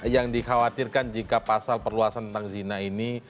yang dikhawatirkan jika pasal perluasan tentang zina ini